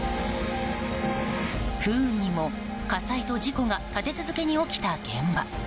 不運にも、火災と事故が立て続けに起きた現場。